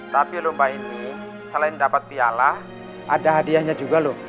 tapi lomba ini selain dapat piala ada hadiahnya juga loh